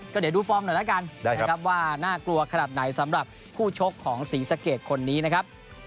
เดี๋ยวดูฟอร์มหน่อยละกันว่าน่ากลัวขนาดไหนสำหรับผู้ชกของศรีสเกตคนนี้นะครับ